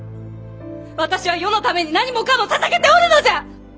私は世のために何もかもささげておるのじゃ！